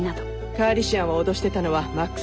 カーリシアンを脅してたのはマックス・リボー。